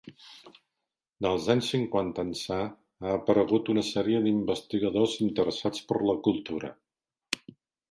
Dels anys cinquanta ençà ha aparegut una sèrie d’investigadors interessats per la cultura.